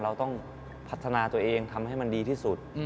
เราต้องพัฒนาตัวเองทำให้มันดีที่สุด